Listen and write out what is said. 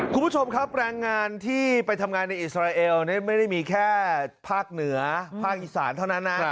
คุณผู้ชมครับแรงงานที่ไปทำงานในอิสราเอลไม่ได้มีแค่ภาคเหนือภาคอีสานเท่านั้นนะ